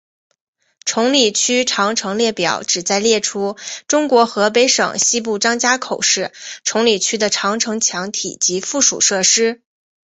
崇礼区长城列表旨在列出中国河北省西部张家口市崇礼区的长城墙体及附属设施。